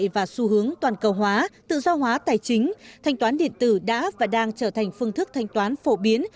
và xu hướng toàn cầu hóa tự do hóa tài chính thanh toán điện tử đã và đang trở thành phương thức thanh toán phổ biến